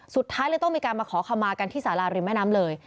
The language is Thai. สุดท้ายเลยต้องมีการมาขอคำมากันที่สาราริมแม่น้ำเลย